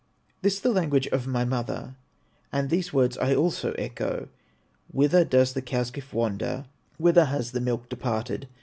"This the language of my mother, And these words I also echo: 'Whither does the cow's gift wander, Whither has the milk departed?